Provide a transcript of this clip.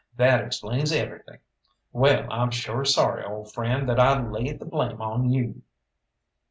That explains everything! Wall, I'm sure sorry, old friend, that I laid the blame on you."